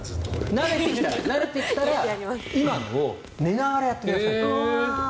慣れてきたら今のを寝ながらやってください。